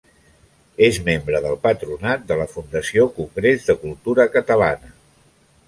És membre del patronat de la Fundació Congrés de Cultura Catalana.